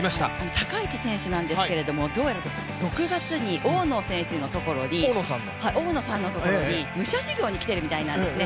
高市選手なんですけれどもどうやら６月に、大野さんのところに武者修行に来てるみたいなんですね。